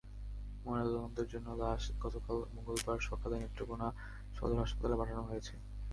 ময়নাতদন্তের জন্য লাশ গতকাল মঙ্গলবার সকালে নেত্রকোনা সদর হাসপাতালে পাঠানো হয়েছে।